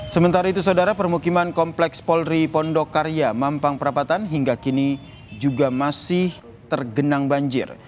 sementara itu saudara permukiman kompleks polri pondokarya mampang perapatan hingga kini juga masih tergenang banjir